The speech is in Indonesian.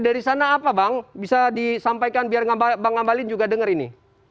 dari sana apa bang bisa disampaikan biar bang ngabalin juga dengar ini